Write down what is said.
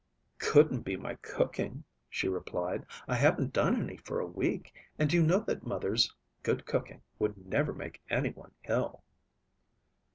"Couldn't be my cooking," she replied. "I haven't done any for a week and you know that Mother's good cooking would never make anyone ill."